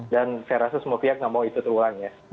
dan saya rasa semua pihak nggak mau itu terulang ya